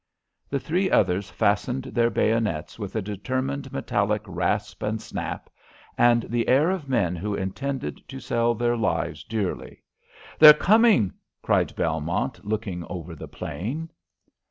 The three others fastened their bayonets with a determined metallic rasp and snap, and the air of men who intended to sell their lives dearly. "They're coming!" cried Belmont, looking over the plain.